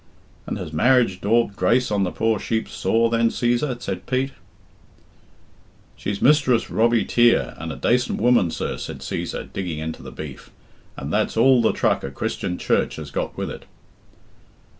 "And has marriage daubed grace on the poor sheep's sore then, Cæsar?" said Pete. "She's Mistress Robbie Teare and a dacent woman, sir," said Cæsar, digging into the beef, "and that's all the truck a Christian church has got with it."